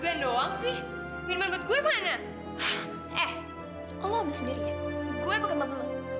yes telah nasabah